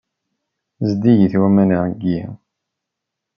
Zeddigit waman-agi.